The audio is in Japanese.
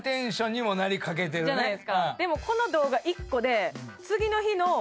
でもこの動画１個で。